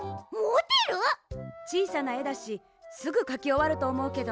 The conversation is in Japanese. ちいさなえだしすぐかきおわるとおもうけど。